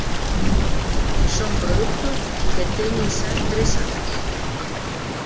Son produtos que teñen xa tres anos.